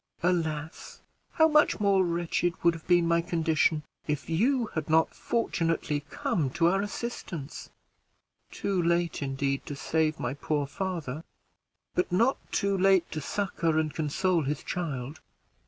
Alas! how much more wretched would have been my condition if you had not fortunately come to our assistance! too late indeed to save my poor father, but not too late to succor and console his child.